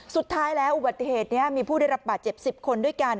สุดท้ายแล้วอุบัติเหตุนี้มีผู้ได้รับบาดเจ็บ๑๐คนด้วยกัน